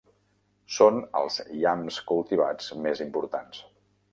Són els iams cultivats més importants.